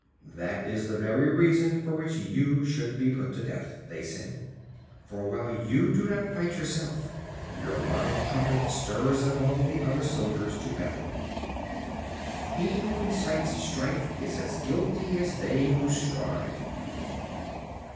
"That is the very reason for which you should be put to death," they said, "for while you do not fight yourself, your loud trumpet stirs up all the other soldiers to battle." He who incites strife is as guilty as they who strive.